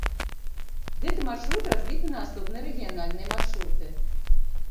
Гэты маршрут разбіты на асобныя рэгіянальныя маршруты.